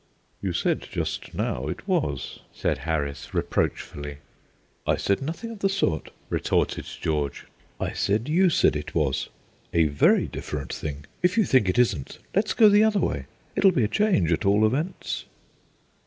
"You said just now it was," said Harris, reproachfully. "I said nothing of the sort," retorted George. "I said you said it was a very different thing. If you think it isn't, let's go the other way. It'll be a change, at all events."